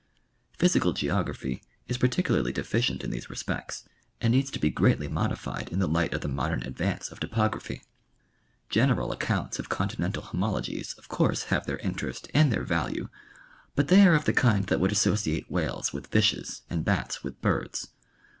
Physical geography is particularly deficient in these respects, and needs to be greatly modified in the light of the modern advance of topography General accounts of continental homologies of course have their interest and their value, but they are of the kind that would associate whales with fishes and bats with birds.